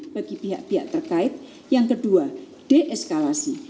bagi pihak pihak terkait yang kedua deeskalasi